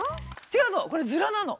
違うのこれヅラなの。